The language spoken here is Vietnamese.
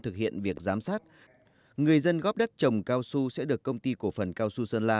thực hiện việc giám sát người dân góp đất trồng cao su sẽ được công ty cổ phần cao xu sơn la